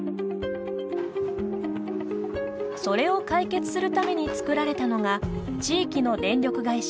それを解決するために作られたのが地域の電力会社